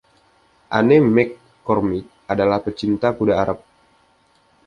Anne McCormick adalah pecinta kuda Arab.